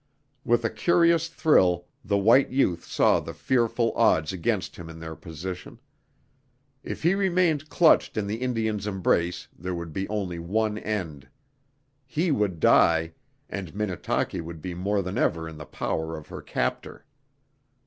With a curious thrill the white youth saw the fearful odds against him in their position. If he remained clutched in the Indian's embrace there would be only one end. He would die, and Minnetaki would be more than ever in the power of her captor.